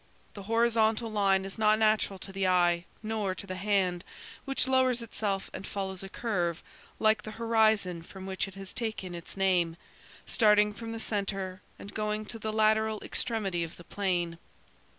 The horizontal line is not natural to the eye, nor to the hand, which lowers itself and follows a curve (like the horizon from which it has taken its name), starting from the centre and going to the lateral extremity of the plane.